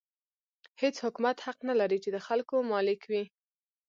هېڅ حکومت حق نه لري چې د خلکو مالک وي.